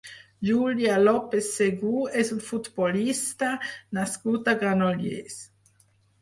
Julià López Segú és un futbolista nascut a Granollers.